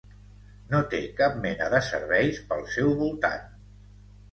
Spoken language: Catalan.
No té cap mena de serveis pel seu voltant.